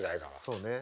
そうね。